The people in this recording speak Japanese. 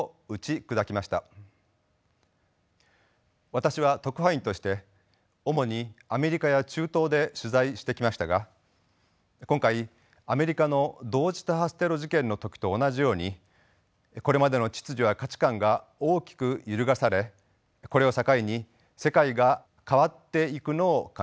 私は特派員として主にアメリカや中東で取材してきましたが今回アメリカの同時多発テロ事件の時と同じようにこれまでの秩序や価値観が大きく揺るがされこれを境に世界が変わっていくのを感じています。